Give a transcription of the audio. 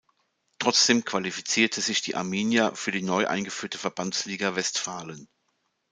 Trotzdem qualifizierte sich die Arminia für die neu eingeführte Verbandsliga Westfalen.